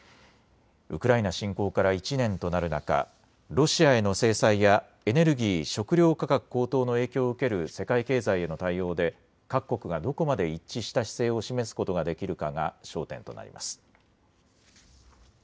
ウクライナ侵攻から１年となる中、ロシアへの制裁やエネルギー、食料価格高騰の影響を受ける世界経済への対応で各国がどこまで一致した姿勢を示すことができるかが焦点となります。